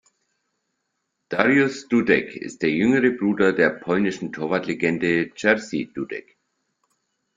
Dariusz Dudek ist der jüngere Bruder der polnischen Torwartlegende Jerzy Dudek.